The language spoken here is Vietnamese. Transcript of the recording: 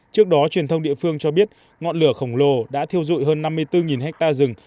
trước đó truyền thông địa phương cho biết ngọn lửa khổng lồ đã thiêu dụi hơn năm mươi bốn hectare rừng